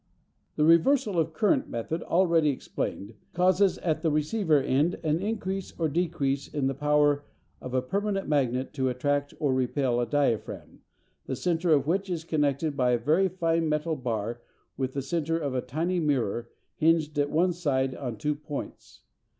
The "reversal of current" method, already explained, causes at the receiver end an increase or decrease in the power of a permanent magnet to attract or repel a diaphragm, the centre of which is connected by a very fine metal bar with the centre of a tiny mirror hinged at one side on two points.